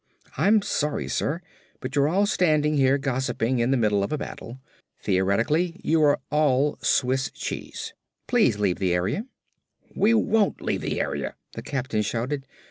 "I'm sorry, sir, but you're all standing here gossiping in the middle of a battle. Theoretically you are all Swiss cheese. Please leave the area." "We WON'T leave the area!" the captain shouted.